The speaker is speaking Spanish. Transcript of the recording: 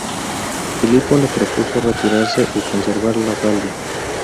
Filipo les propuso retirarse y conservar la Galia.